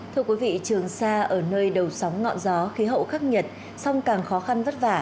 thưa quý vị trường xa ở nơi đầu sóng ngọn gió khí hậu khắc nhật sông càng khó khăn vất vả